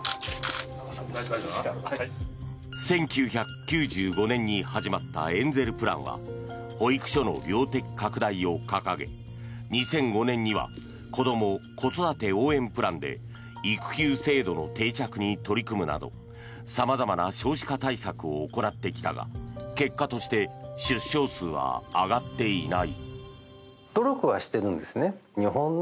１９９５年に始まったエンゼルプランは保育所の量的拡大を掲げ２００５年には子ども・子育て応援プランで育休制度の定着に取り組むなど様々な少子化対策を行ってきたが結果として出生数は上がっていない。